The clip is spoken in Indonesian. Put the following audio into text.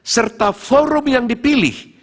serta forum yang dipilih